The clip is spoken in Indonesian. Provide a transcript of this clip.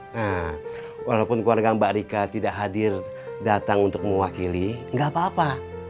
nah walaupun keluarga mbak rika tidak hadir datang untuk mewakili nggak apa apa